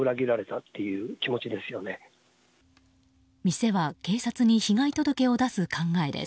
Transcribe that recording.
店は警察に被害届を出す考えです。